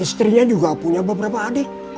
istrinya juga punya beberapa adik